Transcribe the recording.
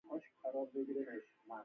آیا ایران د سمنټو لوی تولیدونکی نه دی؟